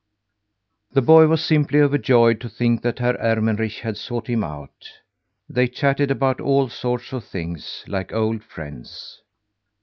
The boy was simply overjoyed to think that Herr Ermenrich had sought him out. They chatted about all sorts of things, like old friends.